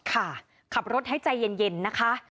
ขับรถให้ใจเย็นนะคะ